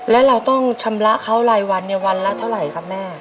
แล้วเราต้องชำระเขารายวันเนี่ยวันละเท่าไหร่ครับแม่